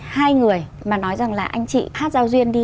hai người mà nói rằng là anh chị hát giao duyên đi